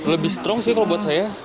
lebih strong sih kalau buat saya